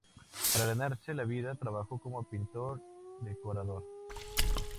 Para ganarse la vida trabajó como pintor-decorador.